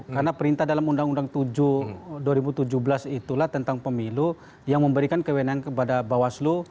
karena perintah dalam undang undang tujuh dua ribu tujuh belas itulah tentang pemilu yang memberikan kewenangan kepada bawaslu